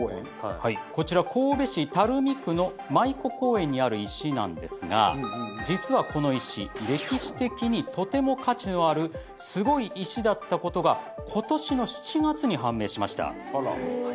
はいこちら神戸市垂水区の舞子公園にある石なんですが実はこの石歴史的にとても価値のあるすごい石だったことが今年の７月に判明しました。